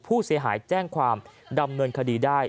ผู้เสียหายแจ้งความดำเนินคดีได้